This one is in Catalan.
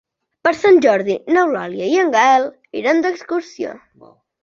Per Sant Jordi n'Eulàlia i en Gaël iran d'excursió.